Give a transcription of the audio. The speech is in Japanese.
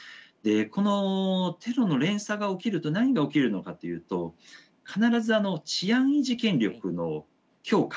このテロの連鎖が起きると何が起きるのかというと必ず治安維持権力の強化っていう問題が起きるわけですね。